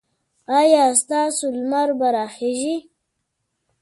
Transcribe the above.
ایا ستاسو لمر به راخېژي؟